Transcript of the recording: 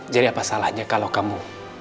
jadi apa salahnya kalau kamu